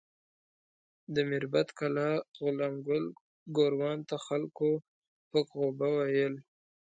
د میربت کلا غلام ګل ګوروان ته خلکو پک غوبه ویل.